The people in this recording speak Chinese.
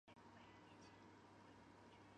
随后软件建议将相关应用显示在另一侧。